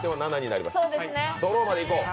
ドローまでいこう。